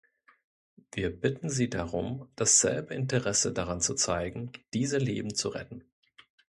Wir bitten Sie darum, dasselbe Interesse daran zu zeigen, diese Leben zu retten.